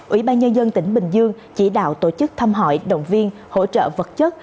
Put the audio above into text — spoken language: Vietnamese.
ủy ban nhân dân tỉnh bình dương chỉ đạo tổ chức thăm hỏi động viên hỗ trợ vật chất